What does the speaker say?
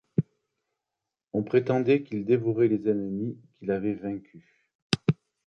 On prétendait qu'il dévorait les ennemis qu'il avait vaincus.